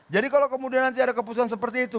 jadi kalau kemudian nanti ada keputusan seperti itu